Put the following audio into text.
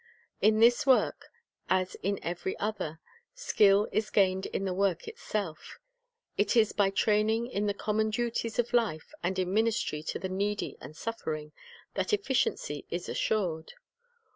In this work, as in every other, skill is gained in the work itself. It is by training in the common duties of life and in ministry to the needy and suffering, that efficiency is assured.